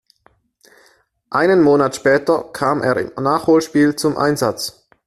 Einen Monat später kam er im Nachholspiel zum Einsatz.